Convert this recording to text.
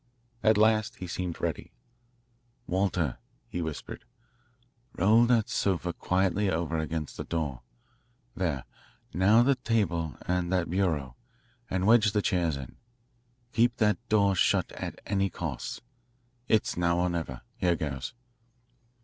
At last he seemed ready. "Walter," he whispered, "roll that sofa quietly over against the door. There, now the table and that bureau, and wedge the chairs in. Keep that door shut at any cost. It's now or never here goes."